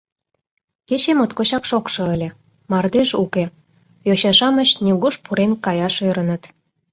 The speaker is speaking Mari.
Кече моткочак шокшо ыле, мардеж уке, йоча-шамыч нигуш пурен каяш ӧрыныт.